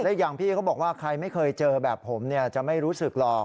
และอีกอย่างพี่เขาบอกว่าใครไม่เคยเจอแบบผมจะไม่รู้สึกหรอก